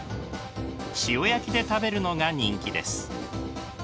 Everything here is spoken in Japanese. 塩焼きで食べるのが人気です。